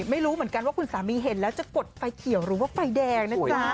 ไม่รู้เหมือนกันคุณสามีเห็นแล้วจะกดไฟเขียวรู้ว่าไฟแดง